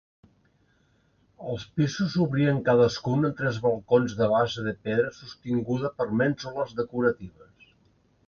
Els pisos s'obrien cadascun amb tres balcons de base de pedra sostinguda per mènsules decoratives.